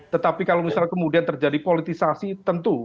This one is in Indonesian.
tetapi kalau misalnya kemudian terjadi politisasi tentu